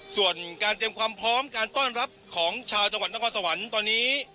ส่วนการเตรียมความพร้อมการต้อนรับของชาวจังหวัดนครสวรรค์ตอนนี้